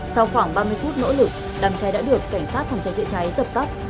sau khoảng ba mươi phút nỗ lực đàm cháy đã được cảnh sát phòng cháy chữa cháy dập cắt